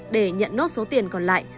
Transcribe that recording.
để nhận nốt số tiền còn lại